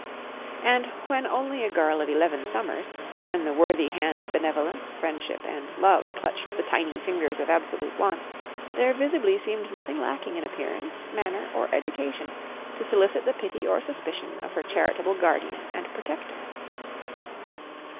And when only a girl of eleven summers, when the worthy hand of benevolence, friendship, and love clutched the tiny fingers of absolute want, there visibly seemed nothing lacking in appearance, manner, or education to solicit the pity or suspicion of her charitable guardian and protector.